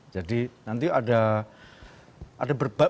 jadi nanti ada berbagi